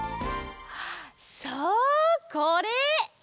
そうこれ！